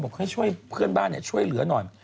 บอกให้ช่วยเพื่อนบ้านเนี่ยช่วยเหลือหน่อย